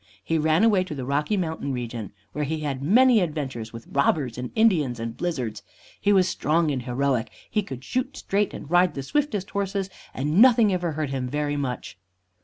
He ran away to the Rocky Mountain region, where he had many adventures with robbers and Indians and blizzards. He was strong and heroic; he could shoot straight and ride the swiftest horses, and nothing ever hurt him very much.